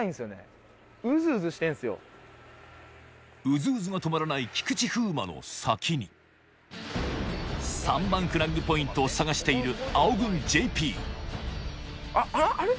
ウズウズが止まらない菊池風磨の先に３番フラッグポイントを探している青軍ＪＰあっあれ？